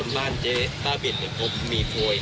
ทางเจ๊ป้าบิลเมื่อก็มีโทย